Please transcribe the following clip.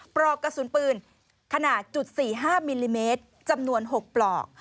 ปลอกกระสุนปืนขนาด๔๕มิลลิเมตรจำนวน๖ปลอก